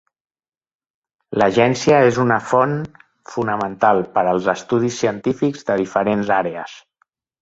L'agència és una font fonamental per als estudis científics de diferents àrees.